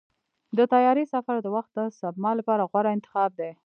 د طیارې سفر د وخت د سپما لپاره غوره انتخاب دی.